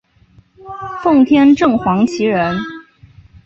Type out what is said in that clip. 奉天正黄旗人。